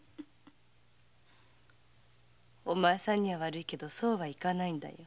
お前さんには悪いけどそうはいかないんだよ。